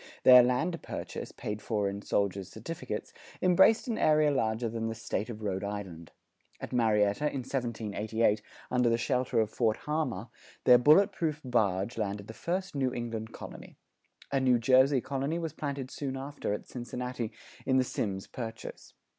Their land purchase, paid for in soldiers' certificates, embraced an area larger than the State of Rhode Island. At Marietta in 1788, under the shelter of Fort Harmar, their bullet proof barge landed the first New England colony. A New Jersey colony was planted soon after at Cincinnati in the Symmes Purchase.